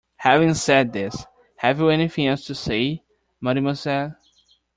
Having said this, have you anything else to say, mademoiselle?